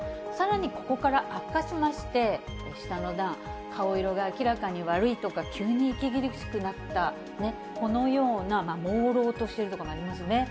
さらに、ここから悪化しまして、下の段、顔色が明らかに悪いとか、急に息苦しくなった、このような、もうろうとしているとかもありますね。